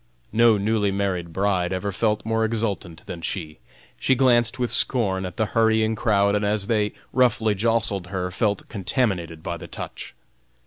No newly married bride ever felt more exultant than she. She glanced with scorn at the hurrying crowd, and as they roughly jostled her, felt contaminated by the touch.